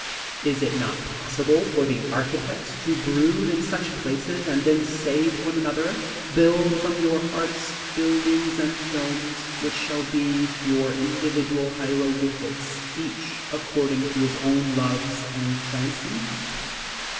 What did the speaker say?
Is it not possible for the architects to brood in such places and then say to one another: "Build from your hearts buildings and films which shall be your individual Hieroglyphics, each according to his own loves and fancies?"